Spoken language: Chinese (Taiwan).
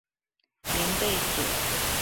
棉被組